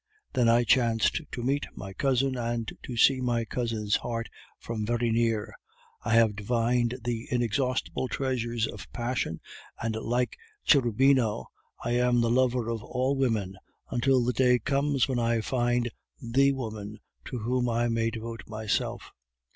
Then I chanced to meet my cousin, and to see my cousin's heart from very near; I have divined the inexhaustible treasures of passion, and, like Cherubino, I am the lover of all women, until the day comes when I find the woman to whom I may devote myself.